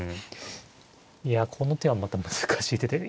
この手はまた難しい手で。